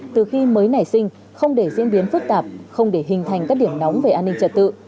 từ khi mới nảy sinh không để diễn biến phức tạp không để hình thành các điểm nóng về an ninh trật tự